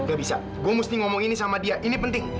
gak bisa gue mesti ngomong ini sama dia ini penting